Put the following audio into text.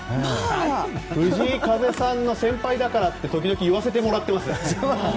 藤井風さんの先輩だからって時々言わせてもらってます。